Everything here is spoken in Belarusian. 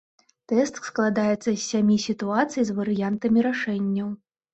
Тэст складаецца з сямі сітуацый з варыянтамі рашэнняў.